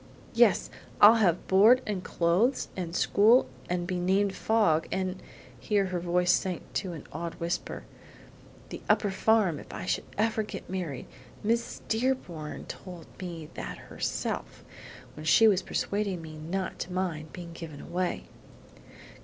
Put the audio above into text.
"Yes; I'll have board, and clothes, and school, and be named Fogg, and" (here her voice sank to an awed whisper) "the upper farm if I should ever get married; Miss Dearborn told me that herself, when she was persuading me not to mind being given away."